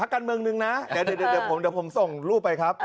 เดี๋ยวผมส่งรูปไปครับ